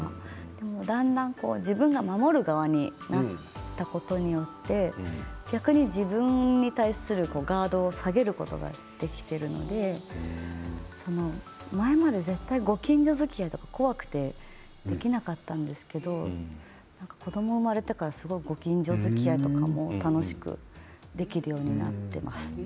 でも、だんだん自分が守る側になったことによって逆に自分に対するガードを下げることができているので前まで絶対、ご近所づきあいとか怖くてできなかったんですけど子どもが生まれてからすごいご近所づきあいとかも楽しくできるようになっています。